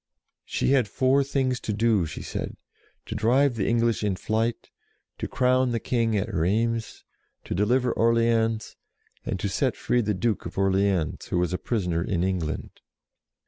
She had four things to do, she said: to drive the English in flight, to crown the King at Rheims, to deliver Orleans, and to set free the Duke of Orleans, who was a prisoner in England.